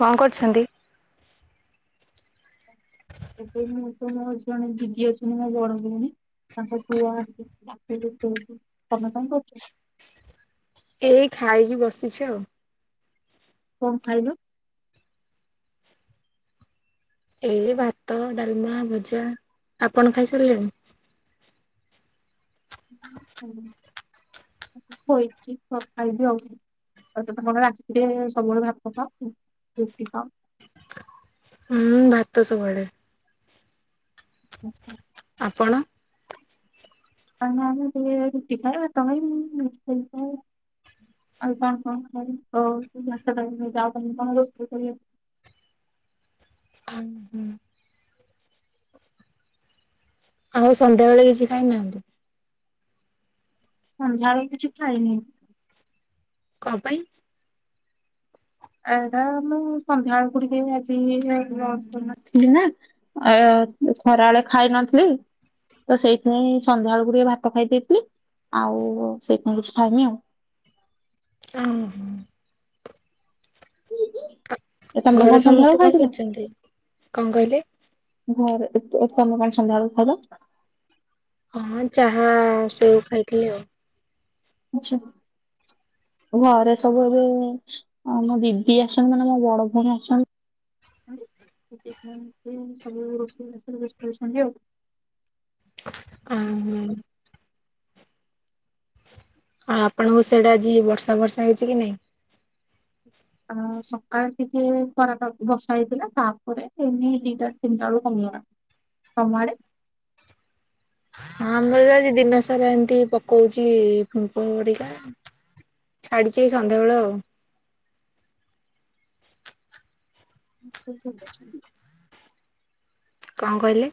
କଣ କରୁଛନ୍ତି? ଏବେ ମୁଁ ତ ମୋ ଜଣେ ଦିଦି ଅଛନ୍ତି ମୁଁ ମୋ ବଡ ଭଉଣୀ। ତାଙ୍କ ପୁଅ ଆସିଛି କାର୍ଟୁନ ଦେଖୁଛି। ତମେ କଣ କରୁଛ? ଏଇ ଖାଇକି ବସିଛି ଆଉ। କଣ ଖାଇଲ? ଏଇ ଭାତ, ଡାଲମା, ଭଜା ଆପଣ ଖାଇସାରିଲେଣି? [unintelligible] ତମେ କଣ ରାତିରେ ସବୁବେଳେ ଭାତ ଖାଅନି ରୁଟି ଖାଅ? ମୁଁ ଭାତ ସବୁବେଳେ। ହୁଁ ହୁଁ। ଆପଣ? [unintelligible] ଆଉ କଣ କଣ [unintelligible] ରୋଷେଇ କରିବ? ହୁଁ ହୁଁ। ଆଉ ସନ୍ଧ୍ୟାବେଳେ କିଛି ଖାଇନାହାନ୍ତି? ସନ୍ଧ୍ୟାବେଳେ କିଛି ଖାଇନି। କଁ ପାଇଁ? ଏଟା ମୁଁ ସନ୍ଧ୍ୟା ବେଳୁକୁ ଟିକେ ଆଜି ନଥିଲିନା। ଏ ଖରାଏଳେ ଖାଇ ନଥିଲି। ତ ସେଇଥିପାଇଁ ସନ୍ଧ୍ୟା ବେଳକୁ ଟିକେ ଭାତ ଖାଇ ଦେଇଥିଲି। ଆଉ ସେଇଥିପାଇଁ କିଛି ଖାଇନି ଆଉ। ଉଁ ହୁଁ। [inaudible] ତମେ ଘରେ କଣ ସନ୍ଧ୍ୟାବେଳକୁ ସମସ୍ତେ କଣ ଖାଇଥିଲ? କରୁଛନ୍ତି? କଣ କହିଲେ? ଘରେ ତ ତମେ କଣ ସନ୍ଧ୍ୟା ବେଳକୁ ଖାଇଲ? ହଁ ଚାହା, ସେଉ ଖାଇଥିଲି ଆଉ। ଆଚ୍ଛା। ଘରେ ସବୁ ଏବେ ଆମ ଦିଦି ଆସନ୍ତି ମାନେ ମୋ ବଡ ଭଉଣୀ ଆସନ୍ତି। [unintelligible] ସବୁ ରୋଷେଇବାସରେ ବେସ୍ତ ଅଛନ୍ତି ଆଉ। ଆଉ ମୁଁ ଆଉ ଆପଣଙ୍କ ସିଆଡେ ଆଜି ବର୍ଷା ବର୍ଷା ହେଇଛି କି ନାଇଁ? ଆ ସକାଳେ ଟିକେ ଖରାଟା ବର୍ଷା ହେଇଥିଲା। ତାପରେ ଏମିତି ଦିଟା ତିନିଟା ବେଳୁକୁ କମିଗଲା। ତମ ଆଡେ? ହଁ ଆମର ବି ଆଜି ଦିନସାରା ଏମିତି ପକଉଛି ଫିମ୍ପି ପରିକା। ଛାଡିଚି ଏ ସନ୍ଧ୍ୟାବେେଳୁ ଆଉ। ଘରେ ସବୁ ଭଲ ଅଛନ୍ତି? କଣ କହିଲେ?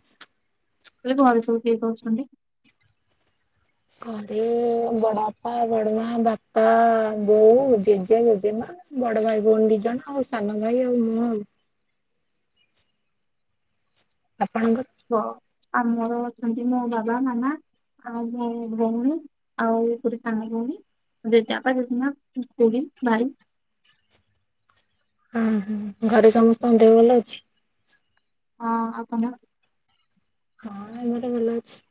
କହିଲି ଘରେ ସବୁ କିଏ କିଏ ଅଛନ୍ତି? ଘରେ ବଡଆପା, ବଡ ମା, ବାପା, ବୋଉ, ଜେଜେ, ଜେଜେମା। ବଡ ଭାଇ, ଭଉଣୀ ଦି ଜଣ। ଆଉ ସାନ ଭାଇ ଆଉ ମୁଁ ଆଉ। ଆପଣଙ୍କର? କୁହ,, ଆମର ଅଛନ୍ତି ମୋ ବାବା, ମାମା। ଆଉ ଭଉଣୀ, ଭଉଣୀ ଆଉ ଗୋଟେ ସାନ ଭଉଣୀ। ଜେଜେ ବାପା, ଜେଜେ ମା, ଖୁଡି, ଭାଇ। ହଁ ହଁ। ଘରେ ସମସ୍ତଙ୍କ ଦେହ ଭଲ ଅଛି? ହଁ ଆପଣ? ହଁ ଏମିତି ଭଲ ଅଛି।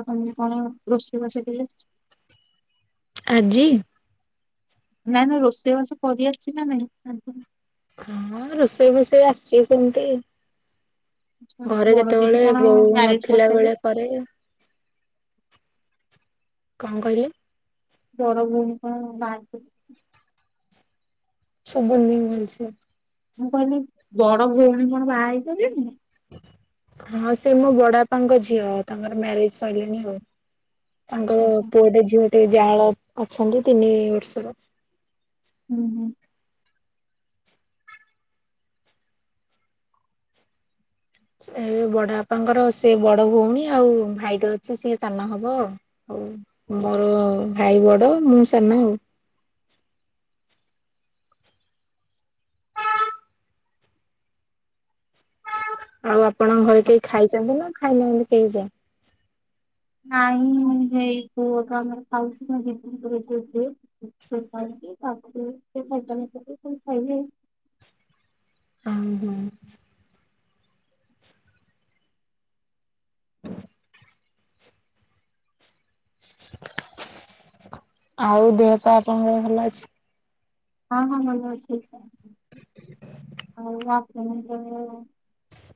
ଆଉ ତମେ କଣ ରୋଷେଇ ବାସ ଆଜି? ନାଇଁ ନାଇ ରୋଷେଇବାସ କରିଆସିଛି ନା ନାଇଁ? ହଁ ରୋଷେଇ ଫୋଷେଇ ଆସିଛି ସେମିତି। ଘରେ ବଡ ଦିଦି ଜେତେବେଳେ କଣ ବୋଉ ମ୍ୟାରେଜ ନଥିଲା କରିସାରିଲେ ବେଳେ କରେ। କ କହିଲେ? ବଡ଼ ଭଉଣୀ କଣ ବା ସବୁନୀ ଭଲ ସେ? ମୁଁ କହିଲି ବଡ ଭଉଣୀ କଣ ବାହା ହେଇଚନ୍ତି? ହଁ ସେ ମୋ ବଡ ବାପା ଙ୍କ ଝିଅ ତାଙ୍କର ମ୍ୟାରେଜ ସଇଲାଣି ଆଉ। ଆଚ୍ଛା ତାଙ୍କର ଆଚ୍ଛା ପୁଅ ଟେ ଝିଅ ଟେ ଜାଆଁଳା ଅଛନ୍ତି ତିନି ବର୍ଷର। ହୁଁ ହୁଁ। ସେ ବି ବଡ ବାପାଙ୍କର ସେ ବଡ ଭଉଣୀ ଆଉ ଭାଇଟେ ଅଛି ସିଏ ସାନ ହବ। ହଉ ମୋର ଭାଇ ବଡ ମୁଁ ସାନ ଆଉ। ଆଉ ଆପଣଙ୍କ ଘରେ କେହି ଖାଇଛନ୍ତି ନା ଖାଇନାହାନ୍ତି କେହି ଯା। ନାଇ ଏଇ ପୁଅ ତ ଖାଉଛନ୍ତି [unintelligible] ତା ଫାଇ ଖାଇବେ [unintelligible] ହୁଁ ହୁଁ। ହଁ [inaudible] ଆଉ ଦେହ ପା ଆପଣଙ୍କର ଭଲ ଅଛି? ହଁ ହଁ ଭଲ ଅଛି। ଆଉ ଆପଣଙ୍କର?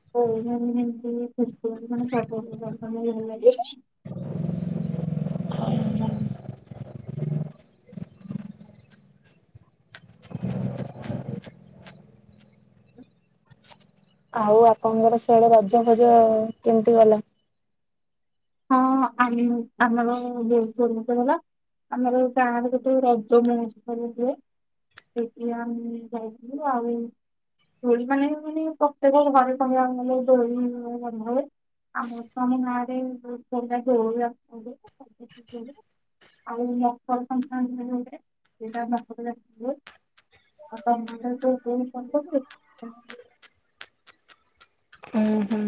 ହମତି [unintelligible] ହଁ [inaudible] ଆଉ ଆପଣଙ୍କର ସିଆଡେ ରଜ ଫଜ କେମିତି ଗଲା? ହଁ ଆମେ ଆମେ ପା [unintelligible] ଆମର ଗାଁରେ ଗୋଟେ ରଜ ମହୋତ୍ସବ ହୁଏ। ସେଠି ଆମେ ଯାଇଥିଲୁ ଆଉ। ଦୋ [unintelligible] ଳି ମାନେ ମାନେ ପ୍ରତ୍ୟେକ ଘରେ ସଙ୍ଗ ଆଲେ ଦଳିରେ ଅଗରୁ ତ ଆମ ଗାଁ ରେ [unintelligible] ଆଉ ମକର ସଂକ୍ରାନ୍ତି ରେ ହୁଏ ସେଟା ମକର [unintelligible] ଆଉ ତ ମାନ କ ବହୁରେ। [unintelligible] ହୁଁ ହୁଁ।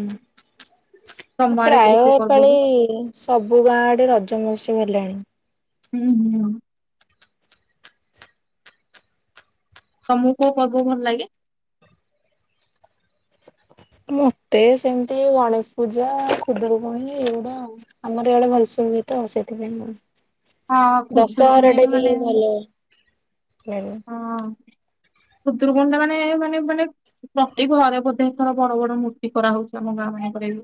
ତମ ଆଡେ ପ୍ରାୟ କୋଉ କୋଉ ପର୍ବ ଏପାଳି ହୁଏ? ସବୁ ଗାଁ ଆଡେ ରଜ ମହୋତ୍ସବ ହେଲାଣି। ହୁଁ ହୁଁ। ତମୁକୁ କୋଉ ପର୍ବ ଭଲ ଲାଗେ? ମତେ ସେମିତି ଗଣେଶ ପୂଜା ଖୁଦୁରୁକୁଣୀ ଏଇଗୁଡା ଆଉ। ଆମର ୟାଡେ ଭଲସେ ହୁଏ ତ ସେଥିପାଇଁ ମୁଁ ହଁ ଖୁଦୁରୁକୁଣୀ ଏବେ ମାନେ ହଁ। ଭଲ ଲାଗେ। ଖୁଦୁରୁକୁଣୀ ଟା ମାନେ ମାନେ ମାନେ ପ୍ରତି ଘରେ ବୋଧେ ଏଥର ବଡ ବଡ ମୂର୍ତ୍ତି କରାହଉଛି ଆମ ଗାଁ ମାନଙ୍କରେ।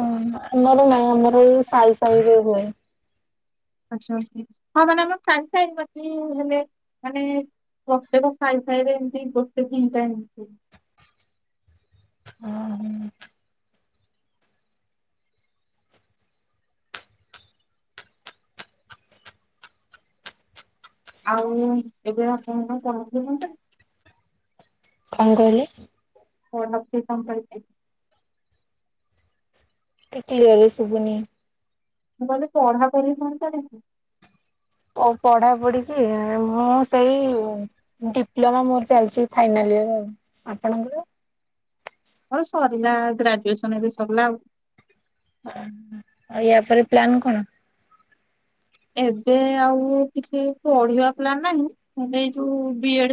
ଓ ଆମର ନାଇଁ ଆମର ଏଇ ସାଇ ସାଇ ରେ ହୁଏ। ଆଛା ହଁ ମାନେ ଆମ ସାଙ୍ଗେ ସାଙ୍ଗେ [unintelligible] ହେଲେ ମାନେ ପ୍ରତେକ ସାଇ ସାାଇ ରେ ଏମିତି ଗୋଟେ ଦିଟା ଏମତି। [inaudible] ଆଉ [inaudible] କଣ କହିଲେ? [inaudible] ଟି କ୍ଲିୟର ରି ଶୁଭୁନି। ମୁଁ କହିଲି, ପଢା ପଢ଼ି କଣ ଚାଲିଚି? ଓ ପଢା ପଢ଼ିଚି ମୁଁ ସେଇ ଡିପ୍ଲୋମା ମୋର ଚାଲିଛି ଫାଇନାଲ ୟର୍ ଆଉ। ଆପଣଙ୍କର। ହଁ, ସରିଲା ଗ୍ରାଜୁଏସନ ଏବେ ସରିଲା ଆଉ। [inaudible] ଏଆ ପରେ ପ୍ଲାନ କଣ? ଏବେ ଆଉ କିଛି ପଢିବା ପ୍ଲାନ୍ ନାହିଁ ହେଲେ ଏଇ ଯୋଉ ବି ଏଡ।